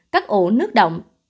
cắt ổ nước động